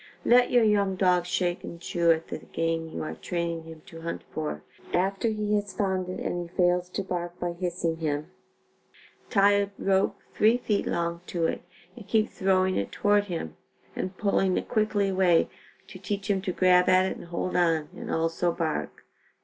Let your young dog shake and chew at the game you are training him to hunt for. After he has found it and he fails to bark by hissing him, tie a rope three feet long to it and keep throwing it toward him and pulling it quickly away to teach him to grab at it and hold on, and also bark.